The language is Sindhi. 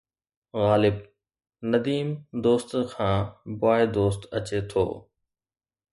غالب! نديم دوست کان بواءِ دوست اچي ٿو